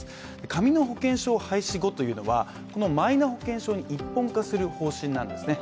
紙の保険証廃止後というのは、このマイナ保険証に一本化する方針なんですね。